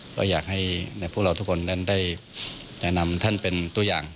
ก็อยากให้พวกเราทุกคนนั้นได้แนะนำท่านเป็นตัวอย่าง